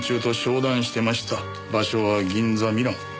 場所は銀座ミラン。